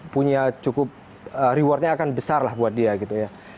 punya cukup rewardnya akan besar lah buat dia gitu ya